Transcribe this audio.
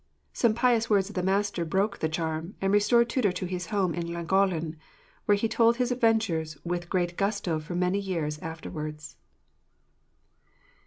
Some pious words of the master broke the charm, and restored Tudur to his home in Llangollen, where he told his adventures with great gusto for many years afterwards.